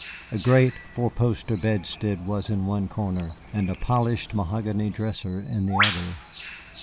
A great four poster bedstead was in one corner, and a polished mahogany dresser in the other.